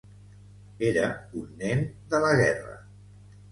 Era un nen de la guerra.